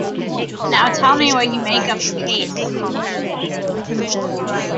Now tell me what you make of the case.